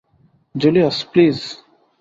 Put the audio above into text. Julius, please.